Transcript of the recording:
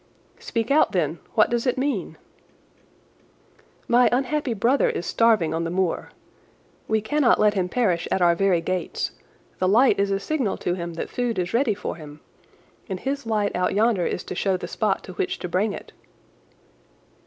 "Speak out, then! What does it mean?" "My unhappy brother is starving on the moor. We cannot let him perish at our very gates. The light is a signal to him that food is ready for him, and his light out yonder is to show the spot to which to bring it."